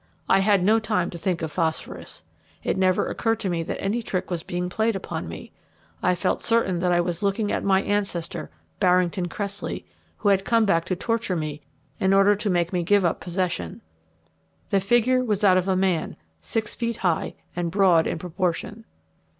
I had no time to think of phosphorus. It never occurred to me that any trick was being played upon me. I felt certain that I was looking at my ancestor, Barrington Cressley, who had come back to torture me in order to make me give up possession. The figure was that of a man six feet high, and broad in proportion.